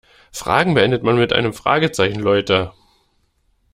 Fragen beendet man mit einem Fragezeichen, Leute!